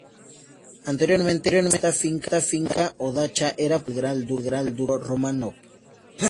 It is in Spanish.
Anteriormente esta finca o dacha era propiedad del Gran Duque Pedro Románov.